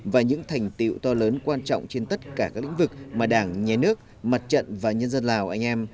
và những thành tiệu to lớn quan trọng trên tất cả các lĩnh vực mà đảng nhà nước mặt trận và nhân dân lào anh em